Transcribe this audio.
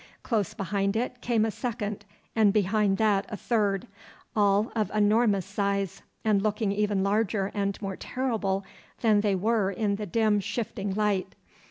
Close behind it came a second, and behind that a third, all of enormous size, and looking even larger and more terrible than they were in the dim shifting light.